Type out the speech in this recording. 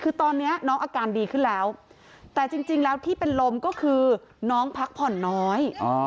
คือตอนนี้น้องอาการดีขึ้นแล้วแต่จริงแล้วที่เป็นลมก็คือน้องพักผ่อนน้อย